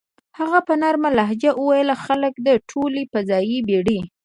هغې په نرمه لهجه وویل: "خلک د ټولې فضايي بېړۍ.